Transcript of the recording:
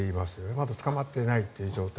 まだ捕まってないという状態。